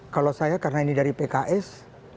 kalau saya karena ini dari pks